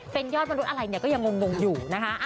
เป็นยอดมนุษย์อะไรเนี่ยก็ยังงงอยู่นะคะ